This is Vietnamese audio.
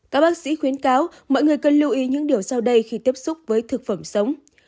các bác sĩ khuyến cáo mọi người cần lưu ý những điều sau đây khi tiếp xúc với thực phẩm sống